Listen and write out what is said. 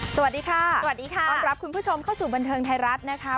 สวัสดีค่ะสวัสดีค่ะต้อนรับคุณผู้ชมเข้าสู่บันเทิงไทยรัฐนะคะ